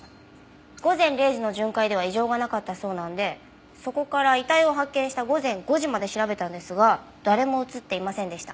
午前０時の巡回では異常がなかったそうなんでそこから遺体を発見した午前５時まで調べたんですが誰も映っていませんでした。